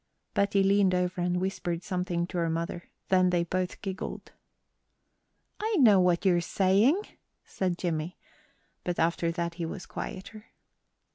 Betty leaned over and whispered something to her mother; then they both giggled. "I know what you're saying," said Jimmie, but after that he was quieter.